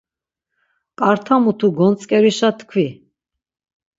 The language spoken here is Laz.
K̆arta mutu gontzǩerişa tkvi.